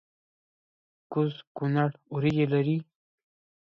کوز کونړ وریجې لري؟